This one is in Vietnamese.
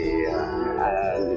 rất là vui mừng